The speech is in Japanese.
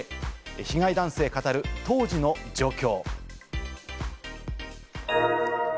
被害男性語る、当時の状況。